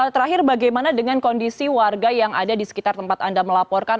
terakhir bagaimana dengan kondisi warga yang ada di sekitar tempat anda melaporkan